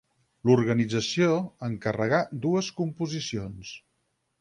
L'organització encarregà dues composicions.